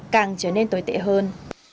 càng trở nên tồi tệ hơn